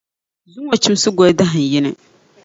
Zuŋↄ Chimsi goli dahinyini.